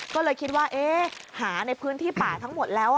ก็เลยคิดว่าหาในพื้นที่ป่าทั้งหมดแล้ว